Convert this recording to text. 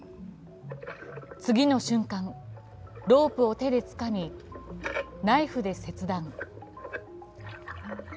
次の瞬間、ロープを手でつかみナイフで切断。